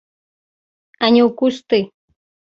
А не ў кусты.